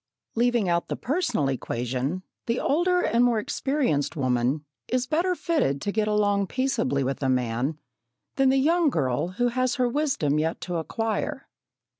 Leaving out the personal equation, the older and more experienced woman is better fitted to get along peaceably with a man than the young girl who has her wisdom yet to acquire.